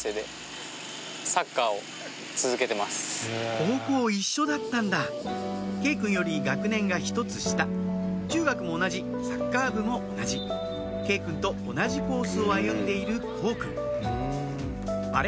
高校一緒だったんだ慶くんより学年が１つ下中学も同じサッカー部も同じ慶くんと同じコースを歩んでいる幸くんあれ？